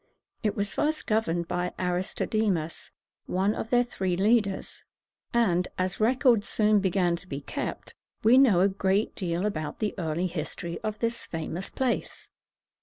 It was first governed by A ris to de´mus, one of their three leaders; and, as records soon began to be kept, we know a great deal about the early history of this famous place.